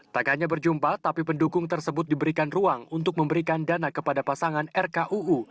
tak hanya berjumpa tapi pendukung tersebut diberikan ruang untuk memberikan dana kepada pasangan rkuu